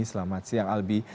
selamat siang albi